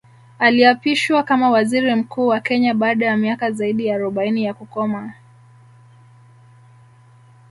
Aliapishwa kama Waziri Mkuu wa Kenya baada ya miaka zaidi ya arobaini ya kukoma